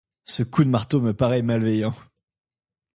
Ce coup de marteau me paraît malveillant.